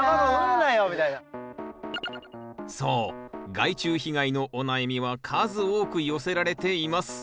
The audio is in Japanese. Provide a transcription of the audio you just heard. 害虫被害のお悩みは数多く寄せられています。